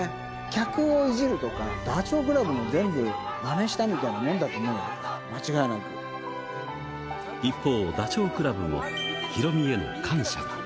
客をいじるとか、ダチョウ倶楽部の全部まねしたみたいなもんだと思うよ、間違いな一方、ダチョウ倶楽部も、ヒロミへの感謝が。